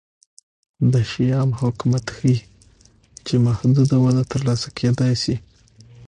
د شیام حکومت ښيي چې محدوده وده ترلاسه کېدای شي